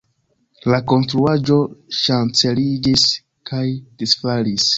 La konstruaĵo ŝanceliĝis kaj disfalis.